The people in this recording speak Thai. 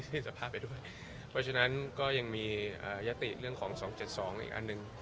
เพราะฉะนั้นก็ยังมีญาติเรื่องของ๒๗๒อีกอันหนึ่ง